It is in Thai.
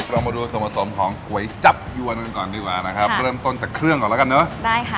เรามาดูส่วนผสมของก๋วยจับยวนกันก่อนดีกว่านะครับเริ่มต้นจากเครื่องก่อนแล้วกันเนอะได้ค่ะ